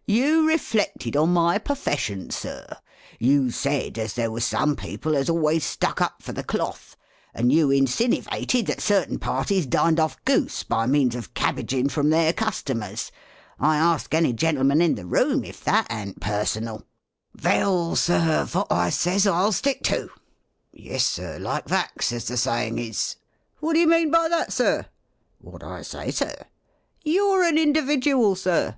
" You reflected on my perfession, Sir ; you said, as there was some people as always stuck up for the cloth; and you insinnivated that certain parties dined off goose by means of cabhaging from their customers. 1 ask any gentleman in the room, if that an't personal. I MEETING OF SELECTMEN ETYMOLOGY. 43 •'Veil, Sir, vot 1 says I'll stick to." "Yes, Sir, like vax, as the saying is." « Wot d'ye mean by that. Sir ?" "Wot I say, Sir!" "You 're a individual. Sir